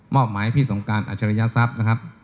อบหมายพี่สงการอัจฉริยทรัพย์นะครับ